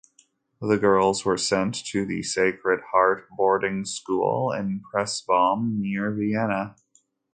The girls were sent to the Sacred Heart boarding school in Pressbaum, near Vienna.